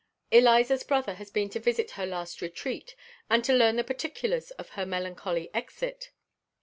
Eliza's brother has been to visit her last retreat, and to learn the particulars of her melancholy exit.